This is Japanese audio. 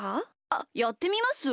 あっやってみます？